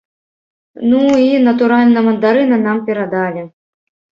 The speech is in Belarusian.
Ну і, натуральна, мандарыны нам перадалі.